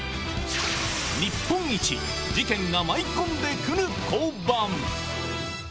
日本一事件が舞い込んでくる交番。